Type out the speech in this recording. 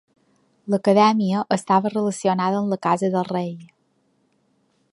L'Acadèmia estava relacionada amb la Casa del Rei.